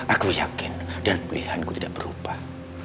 aku yakin dan pilihanku tidak berubah